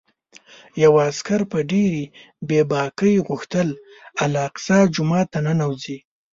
یوه عسکر په ډېرې بې باکۍ غوښتل الاقصی جومات ته ننوځي.